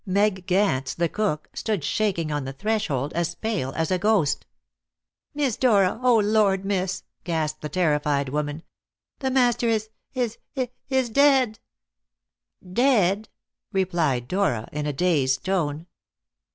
Meg Gance, the cook, stood shaking on the threshold, as pale as a ghost. "Miss Dora! O Lord, miss!" gasped the terrified woman. "The master is is is dead!" "Dead?" replied Dora in a dazed tone.